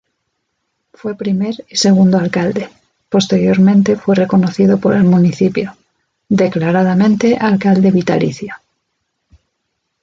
Fue primer y segundo alcalde, posteriormente fue reconocido por el municipio, declaradamente alcalde vitalicio.